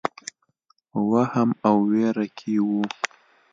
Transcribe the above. وهم او وېره کې وو.